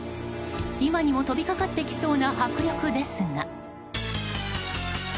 今にも飛びかかってきそうな迫力ですが。